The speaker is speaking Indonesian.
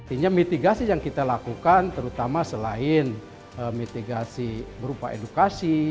ini mitigasi yang kita lakukan terutama selain mitigasi berupa edukasi